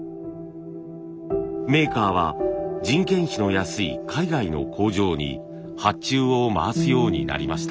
メーカーは人件費の安い海外の工場に発注を回すようになりました。